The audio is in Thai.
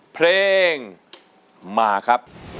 เพลงมาครับ